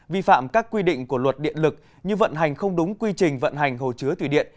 vi phạm các quy định của luật điện lực như vận hành không đúng quy trình vận hành hồ chứa thủy điện